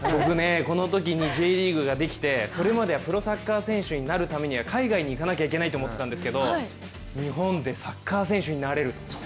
このときＪリーグができて、それまでプロサッカー選手になるためには海外に行かないといけないと思ってたんですけど日本でサッカー選手になれる。